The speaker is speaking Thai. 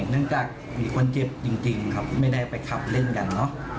เนื่องจากมีคนเจ็บจริงครับไม่ได้ไปขับเล่นกันเนอะ